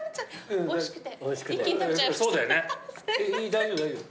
大丈夫大丈夫。